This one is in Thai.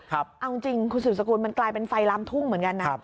เอาจริงคุณสืบสกุลมันกลายเป็นไฟล้ำทุ่งเหมือนกันนะ